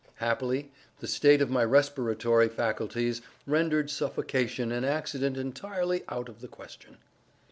Happily the state of my respiratory faculties rendered suffocation an accident entirely out of the question.